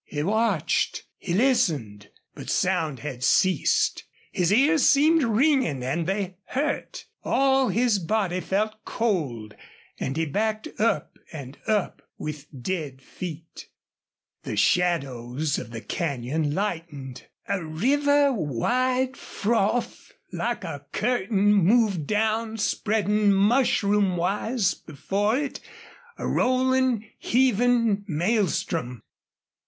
He watched. He listened, but sound had ceased. His ears seemed ringing and they hurt. All his body felt cold, and he backed up and up, with dead feet. The shadows of the canyon lightened. A river wide froth, like a curtain, moved down, spreading mushroom wise before it, a rolling, heaving maelstrom.